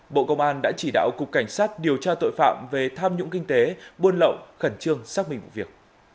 bộ công an đã chỉ đạo cục cảnh sát điều tra tội phạm về tham nhũng kinh tế buôn lậu khẩn trương xác minh vụ việc